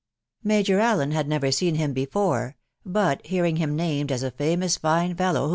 Major Allen had never seen him before ; ,but hearing him named as a famous fine fellow who